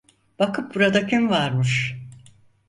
Bakın burada kim varmış.